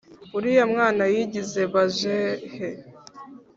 Uriya mwana yigize bajehe